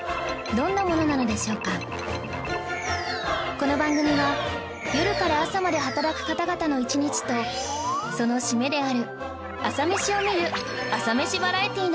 この番組は夜から朝まで働く方々の一日とその締めである朝メシを見る朝メシバラエティーなのです